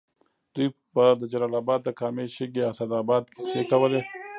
دوی به د جلال اباد د کامې، شګۍ، اسداباد کیسې کولې.